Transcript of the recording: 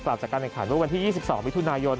ขลาดจากการเอกขันว่างดังที่๒๒มิถุนายน